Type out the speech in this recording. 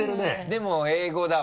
でも英語だわ。